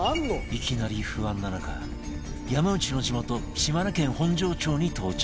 いきなり不安な中山内の地元島根県本庄町に到着